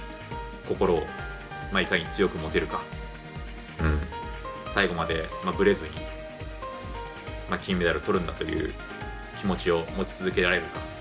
心を、いかに強く持てるか最後まで、ぶれずに金メダル取るんだっていう気持ちを持ち続けられるか